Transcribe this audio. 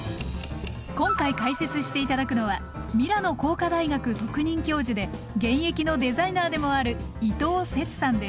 今回解説していただくのはミラノ工科大学特任教授で現役のデザイナーでもある伊藤節さんです。